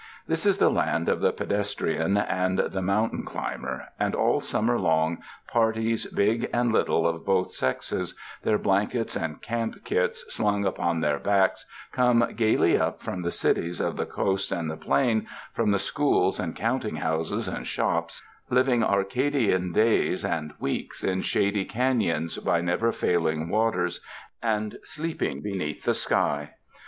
This is the land of the pedestrian and the moun tain climber; and all summer long parties big and little and of both sexes, their blankets and camp kits slung upon their backs, come gaily up from the cities of the coast and the plain, from the schools and counting houses and shops, living Arcadian days and weeks in shady canons by never failing waters, and sleeping beneath the sky.